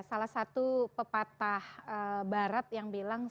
salah satu pepatah barat yang bilang